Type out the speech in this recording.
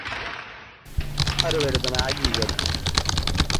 সেই সাথে এটি শিক্ষকদের আন্তর্জাতিক ট্রেড ইউনিয়ন এডুকেশন ইন্টারন্যাশনালের সদস্য।